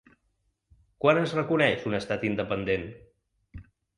Quan es reconeix un estat independent?